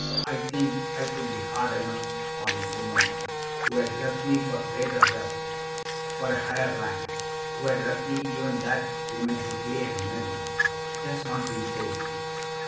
I think I could be hard enough upon a woman who had left me for greater wealth, for a higher rank, who had left me even that she might be gay and merry. It has not been so with you."